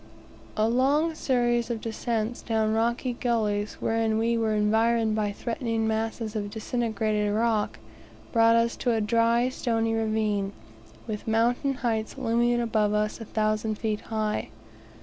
A long series of descents down rocky gullies, wherein we were environed by threatening masses of disintegrated rock, brought us to a dry, stony ravine, with mountain heights looming above us a thousand feet high.